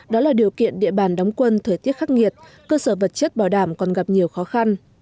đó là điều kiện địa bàn đóng quân thời tiết khắc nghiệt cơ sở vật chất bảo đảm còn gặp nhiều khó khăn